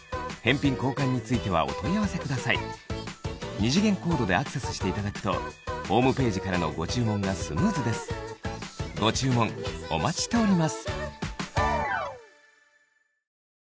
二次元コードでアクセスしていただくとホームページからのご注文がスムーズですご注文お待ちしております